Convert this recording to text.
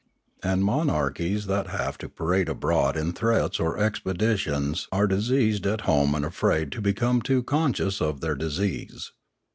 Apd monarchies that have to parade abroad in threats or expeditions are diseased at home and afraid to become too conscious of their dis ease.